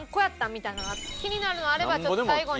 みたいな気になるのあればちょっと最後に。